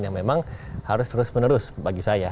yang memang harus terus menerus bagi saya